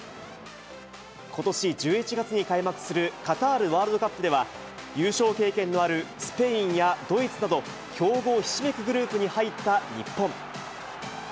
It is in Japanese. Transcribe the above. ことし１１月に開幕する、カタールワールドカップでは、優勝経験のあるスペインやドイツなど、強豪ひしめくグループに入った日本。